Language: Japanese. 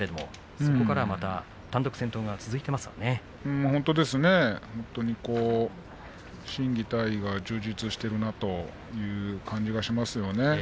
そこからまた、単独先頭が本当にね心技体は充実しているなという感じがしています。